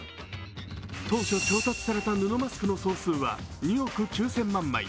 当初、調達された布マスクの総数は２億９０００万枚。